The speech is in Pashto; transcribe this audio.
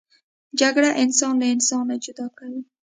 جګړه انسان له انسان جدا کوي